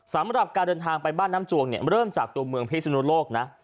สำหรับการเดินทางไปบ้านน้ำจวงเนี่ยเริ่มจากตัวเมืองพิศนุโลกนะ